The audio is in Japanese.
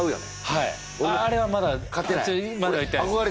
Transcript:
はい